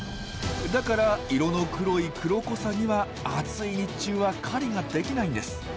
だから色の黒いクロコサギは暑い日中は狩りができないんです。